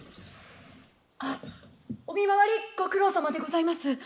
あっお見回りご苦労さまでございます。